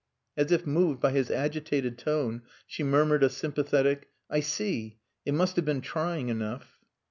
As if moved by his agitated tone, she murmured a sympathetic "I see! It must have been trying enough."